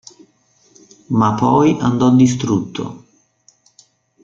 Ma poi, andò distrutto.